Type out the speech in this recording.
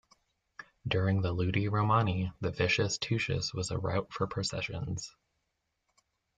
During the Ludi Romani, the Vicus Tuscus was a route for processions.